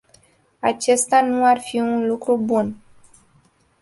Acesta nu ar fi un lucru bun.